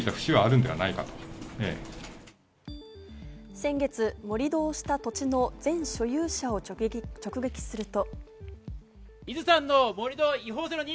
先月盛り土をした土地の前所有者を直撃すると。